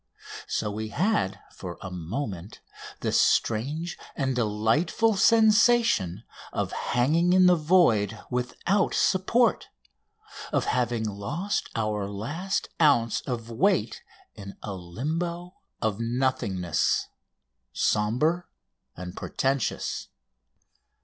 So we had for a moment the strange and delightful sensation of hanging in the void without support, of having lost our last ounce of weight in a limbo of nothingness, sombre and portentous.